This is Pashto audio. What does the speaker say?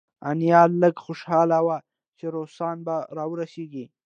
انیلا لږه خوشحاله وه چې روسان به راورسیږي